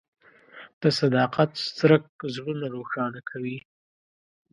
د صداقت څرک زړونه روښانه کوي.